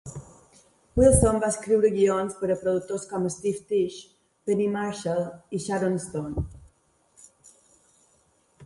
Wilson va escriure guions per a productors com Steve Tisch, Penny Marshall i Sharon Stone.